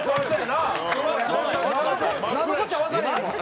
なんのこっちゃわかれへんもん。